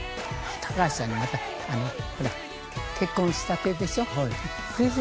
高橋さんにまたほら結婚したてでしょ？